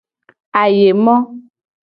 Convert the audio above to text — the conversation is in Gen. Ayemo.